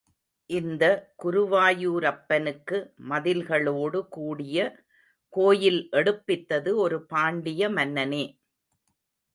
இந்த குருவாயூரப்பனுக்கு மதில்களோடு கூடிய கோயில் எடுப்பித்தது ஒரு பாண்டிய மன்னனே.